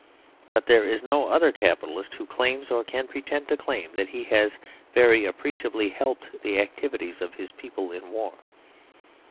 But there is no other capitalist who claims, or can pretend to claim, that he has very appreciably helped the activities of his people in war.